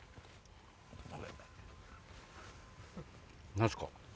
何すか？